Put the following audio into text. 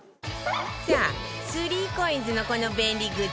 さあ ３ＣＯＩＮＳ のこの便利グッズ